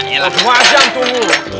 yalah dua jam tunggu